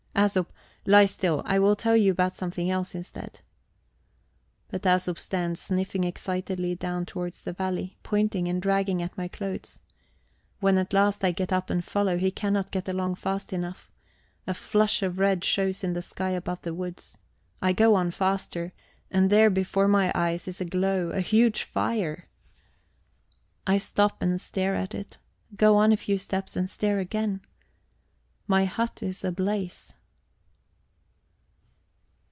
Æsop, lie still; I will tell you about something else instead..." But Æsop stands sniffing excitedly down towards the valley, pointing, and dragging at my clothes. When at last I get up and follow, he cannot get along fast enough. A flush of red shows in the sky above the woods. I go on faster; and there before my eyes is a glow, a huge fire. I stop and stare at it, go on a few steps and stare again. My hut is ablaze.